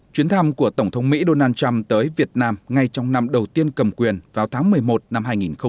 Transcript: chuyến thăm của tổng thống mỹ donald trump tới việt nam ngay trong năm đầu tiên cầm quyền vào tháng một mươi một năm hai nghìn một mươi chín